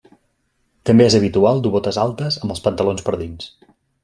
També és habitual dur botes altes, amb els pantalons per dins.